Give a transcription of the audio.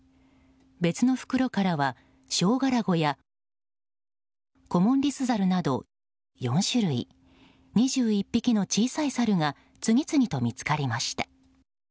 別の袋からはショウガラゴやコモンリスザルなど４種類２１匹の小さいサルが次々と見つかりました。